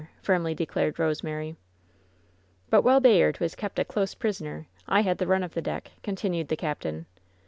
firmly declared Rosemary. "But while Bayard was kept a close prisoner, I had tibe run of the deck," continued the captain.